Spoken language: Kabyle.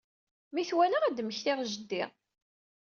Mi t-walaɣ, ad d-mmektiɣ jeddi